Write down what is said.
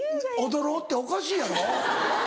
「踊ろう」っておかしいやろ？